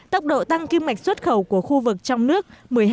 tốc độ tăng kim mạch xuất khẩu của khu vực trong nước một mươi hai hai